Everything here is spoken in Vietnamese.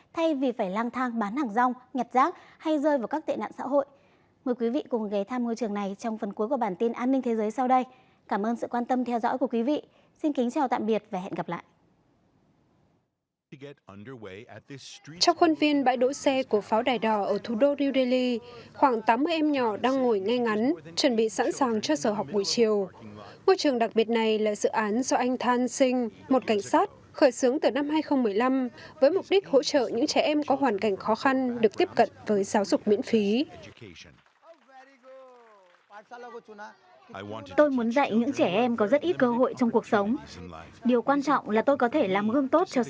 tôi muốn dạy những trẻ em có rất ít cơ hội trong cuộc sống điều quan trọng là tôi có thể làm hương tốt cho xã hội tôi hiểu hoàn cảnh của những đứa trẻ này gia đình tôi vốn cũng rất nghèo